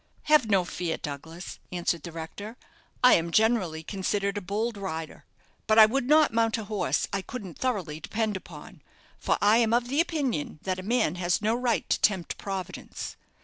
"Have no fear, Douglas," answered the rector. "I am generally considered a bold rider, but I would not mount a horse I couldn't thoroughly depend upon; for I am of opinion that a man has no right to tempt Providence."